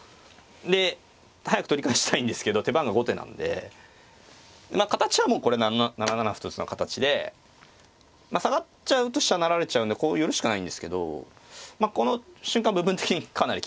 で早く取り返したいんですけど手番が後手なんで形はもうこれ７七歩と打つのが形で下がっちゃうと飛車成られちゃうんでこう寄るしかないんですけどこの瞬間部分的にかなり危険なんですよね。